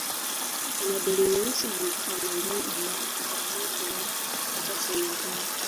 Ina bendi nyeusi na mpaka wa manjano ambao hugawanya bendera kuwa sehemu mbili